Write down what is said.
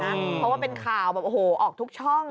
เพราะว่าเป็นข่าวแบบโอ้โหออกทุกช่อง